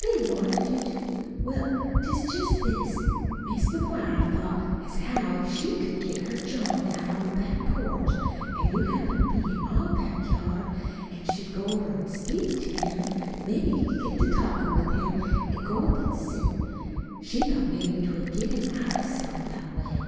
They wanted you to Well, it's jest this. Mis' McGuire thought as how if she could get her John out on the back porch, an' you happened to be in our back yard, an' should go over an' speak to him, maybe you'd get to talkin' with him, an' go up an' sit down. She thought maybe 'twould get him out of hisself that way.